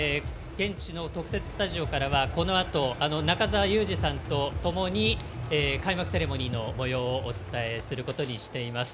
現地の特設スタジオからはこのあと中澤佑二さんとともに開幕セレモニーのもようをお伝えすることにしています。